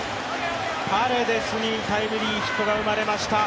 パレデスにタイムリーヒットが生まれました。